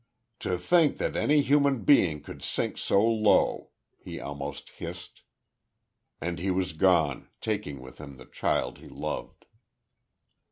"To think that any human thing could sink so low!" he almost hissed.... And he was gone, taking with him the child he loved.